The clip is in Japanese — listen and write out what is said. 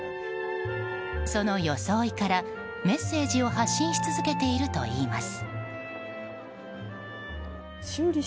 その装いから、メッセージを発信し続けているといいます。